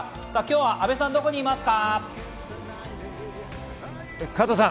今日は阿部さん、どこにいますか？